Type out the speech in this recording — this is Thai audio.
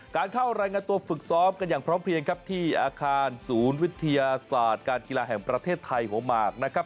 การเข้ารายงานตัวฝึกซ้อมกันอย่างพร้อมเพียงครับที่อาคารศูนย์วิทยาศาสตร์การกีฬาแห่งประเทศไทยหัวหมากนะครับ